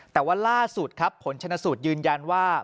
แต่ว่าล่าสุดครับผลชนสูตรยืนยันว่า